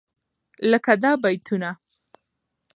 لکه دا بيتونه: